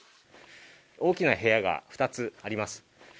大きな部屋が２つあります。